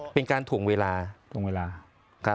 เป็นการถูกเวลา